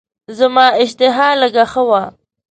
زما اشتها لږه ښه وه.